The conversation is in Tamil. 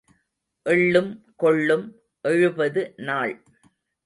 எள்ளும் கொள்ளும் எழுபது நாள்.